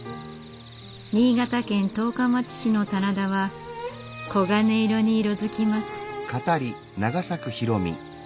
新潟県十日町市の棚田は黄金色に色づきます。